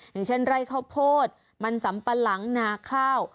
อย่างเช่นไร่ข้าวโพดมันสำปะหลังนาข้าว